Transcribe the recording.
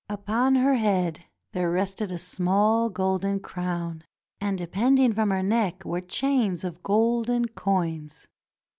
Upon her head there rested a small golden crown, and depending from her neck were chains of golden coins.